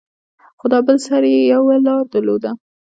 خو دا بل سر يې يوه لاره درلوده.